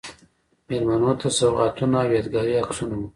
میلمنو ته سوغاتونه او یادګاري عکسونه و.